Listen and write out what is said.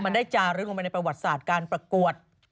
มันได้จาเรื่องของในประวัติศาลการปรากฎ